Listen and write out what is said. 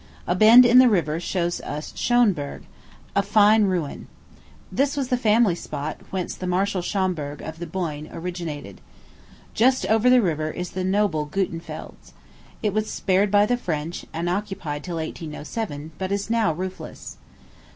A bend in the river shows us Schonberg, a fine ruin. This was the family spot whence the Marshal Schomberg, of the Boyne, originated. Just over the river is the noble Gutenfels. It was spared by the French, and occupied till 1807, but is now roofless.